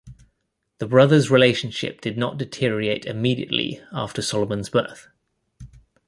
The brothers' relationship did not deteriorate immediately after Solomon's birth.